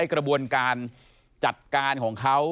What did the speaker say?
กระบวนการจัดการของเขา